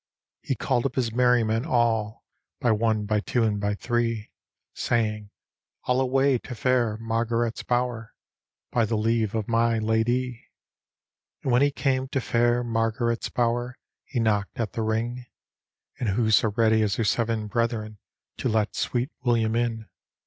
He called up his merrymen all. By one, by two, and by three; Saying, " I'll away to fair Margaret's bower, By the leave of my ladye." And when he carac to fair Margaret's bower, He knocked at the ring; And who so ready as her seven brethren, To let sweet William in.